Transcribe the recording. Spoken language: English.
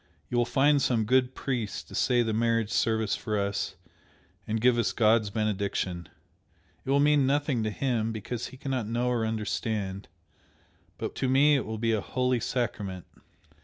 You will find some good priest to say the marriage service for us and give us God's benediction it will mean nothing to him, because he cannot know or understand, but to me it will be a holy sacrament!"